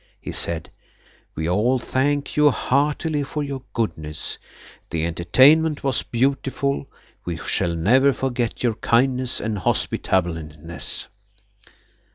He said– "We all thank you heartily for your goodness. The entertainment was beautiful. We shall never forget your kindness and hospitableness."